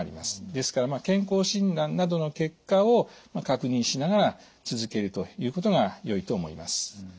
ですから健康診断などの結果を確認しながら続けるということがよいと思います。